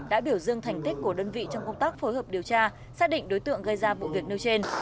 đã biểu dương thành tích của đơn vị trong công tác phối hợp điều tra xác định đối tượng gây ra vụ việc nêu trên